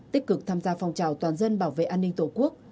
tích cực tham gia phòng trào toàn dân bảo vệ an ninh tổ quốc